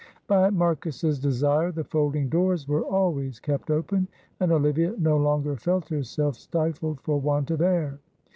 By Marcus's desire the folding doors were always kept open, and Olivia no longer felt herself stifled for want of air.